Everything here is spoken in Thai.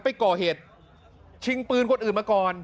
ไปก่อเหตุชิงปืนคนอื่นมาก่อน